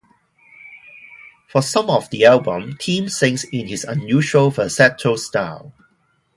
For some of the album, Tim sings in his unusual falsetto style.